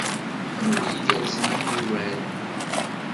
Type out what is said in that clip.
Amulli igerrzen a Muirel!